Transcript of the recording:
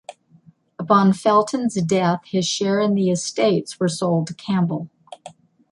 Upon Felton's death, his share in the Estates were sold to Campbell.